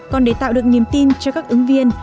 còn để tạo được niềm tin cho các ứng viên